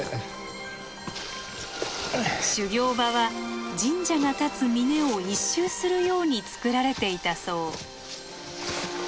修行場は神社が立つ峰を一周するようにつくられていたそう。